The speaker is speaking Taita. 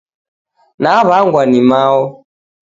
Naw'angwa ni mao